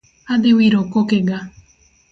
Adhi wiro kokega